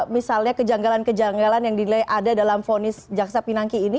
misalnya kejanggalan kejanggalan yang dinilai ada dalam vonis jaksa pinangki ini